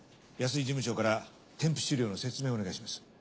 安井事務長から添付資料の説明をお願いします。